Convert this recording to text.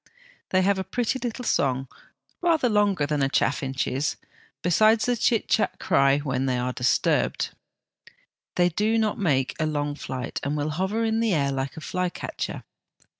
They have a pretty little song, rather longer than a chaffinch's, besides the chit chat cry when they are disturbed. They do not make a long flight, and will hover in the air like a flycatcher.